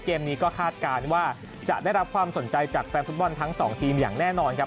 เกมนี้ก็คาดการณ์ว่าจะได้รับความสนใจจากแฟนฟุตบอลทั้งสองทีมอย่างแน่นอนครับ